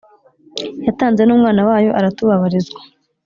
yatanze n'umwana wayo, aratubabarizwa;